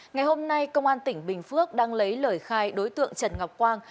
ngày hôm nay công an tỉnh bình phước đang lấy lời khai đối tượng trần ngọc quang